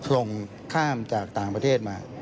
ลงข้ามจากต่างประเทศมา